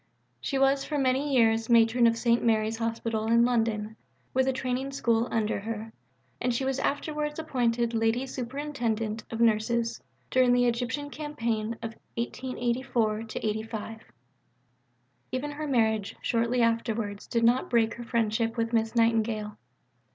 She was for many years Matron of St. Mary's Hospital in London, with a Training School under her, and she was afterwards appointed Lady Superintendent of Nurses during the Egyptian campaign of 1884 85. Even her marriage shortly afterwards did not break her friendship with Miss Nightingale.